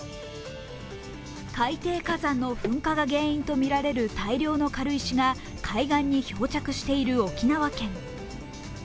海底火山の噴火が原因とみられる、大量の軽石が海岸に漂着している沖縄県。